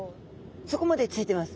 そこまでついてます。